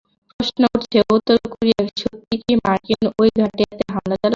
প্রশ্ন উঠেছে, উত্তর কোরিয়া সত্যিই কি মার্কিন ওই ঘাঁটিতে হামলা চালাবে?